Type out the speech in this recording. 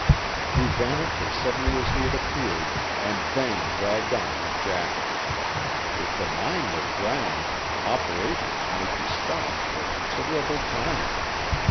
He vanished as suddenly as he had appeared, and Vane dragged on his jacket. If the mine were drowned, operations might be stopped for a considerable time.